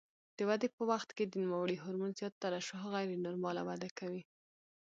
د ودې په وخت کې د نوموړي هورمون زیاته ترشح غیر نورماله وده کوي.